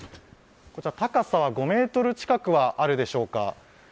高さは５ｍ近くはあるでしょうか。